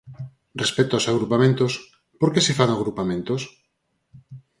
Respecto aos agrupamentos, ¿por que se fan agrupamentos?